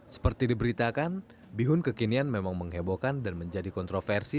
seperti diberitakan bihun kekinian memang menghebohkan dan menjadi kontroversi